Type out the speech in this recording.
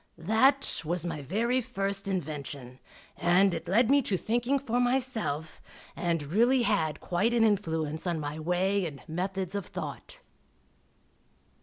That was my very first invention, and it led me to thinking for myself, and really had quite an influence on my way and methods of thought.